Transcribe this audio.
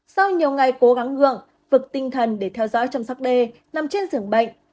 sau nhiều ngày cố gắng gượng vực tinh thần để theo dõi chăm sóc d nằm trên giường bệnh